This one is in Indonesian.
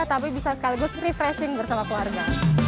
tapi bisa sekaligus refreshing bersama keluarga